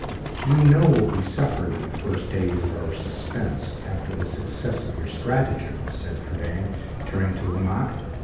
"You know what we suffered in the first days of our suspense, after the success of your stratagem," said Trudaine, turning to Lomaque.